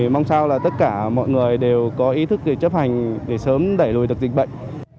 mong sao là tất cả mọi người đều có ý thức để chấp hành để sớm đẩy lùi được dịch bệnh